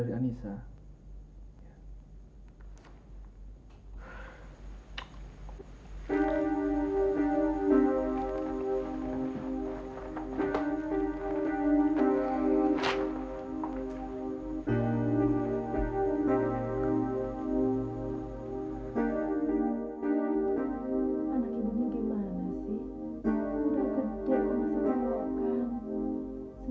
anak ibu ini gimana sih